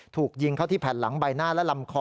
ถูกยิงเข้าที่แผ่นหลังใบหน้าและลำคอ